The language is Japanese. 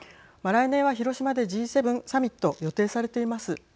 来年は、広島でＧ７サミット予定されています。